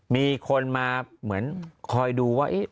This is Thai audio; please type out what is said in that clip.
มีคนมาเหมือนคอยดูว่า